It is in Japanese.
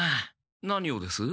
何をです？